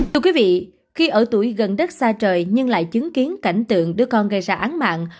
thưa quý vị khi ở tuổi gần đất xa trời nhưng lại chứng kiến cảnh tượng đứa con gây ra án mạng